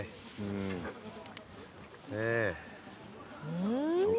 うん！